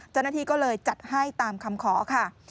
จณทีก็เลยจัดให้ตามคำขอค่ะ